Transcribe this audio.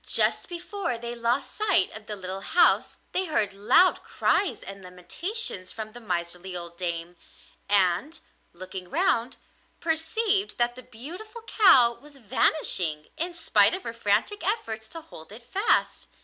Just before they lost sight of the little house they heard loud cries and lamentations from the miserly old dame, and, looking round, perceived that the beautiful cow was vanishing in spite of her frantic efforts to hold it fast.